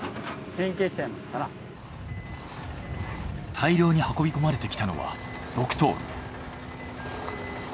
大量に運び込まれてきたのはドクトール。